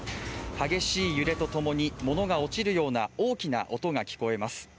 激しい揺れとともに物が落ちるような大きな音が聞こえます。